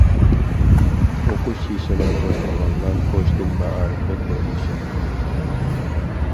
ئوقۇش يېشىغا توشمىغانلار قوش تىل مائارىپى قۇرۇلۇشى.